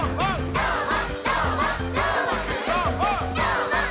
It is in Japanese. どーも！